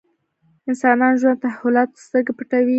انسانانو ژوند تحولاتو سترګې پټوي.